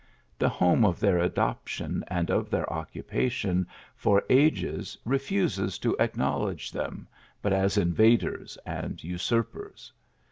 The home of their adoption and of their occupation for ages re fuses to acknowledge them but as invaders and usurpers.